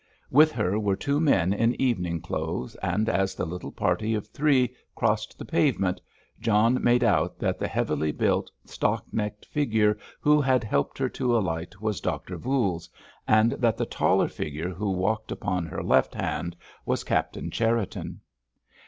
With her were two men in evening clothes, and as the little party of three crossed the pavement John made out that the heavily built, thick necked figure who had helped her to alight was Doctor "Voules," and that the taller figure who walked upon her left hand was Captain Cherriton.